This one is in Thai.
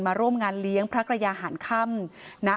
ร่วมงานเลี้ยงพระกระยาหารค่ำ